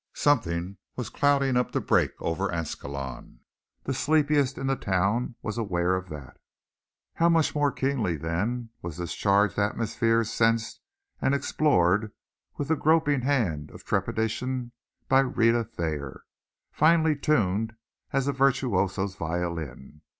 Something was clouding up to break over Ascalon; the sleepiest in the town was aware of that. How much more keenly, then, was this charged atmosphere sensed and explored with the groping hand of trepidation by Rhetta Thayer, finely tuned as a virtuoso's violin.